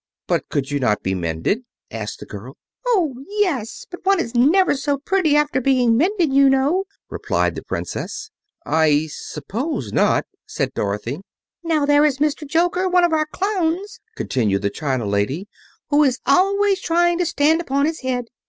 "But could you not be mended?" asked the girl. "Oh, yes; but one is never so pretty after being mended, you know," replied the Princess. "I suppose not," said Dorothy. "Now there is Mr. Joker, one of our clowns," continued the china lady, "who is always trying to stand upon his head.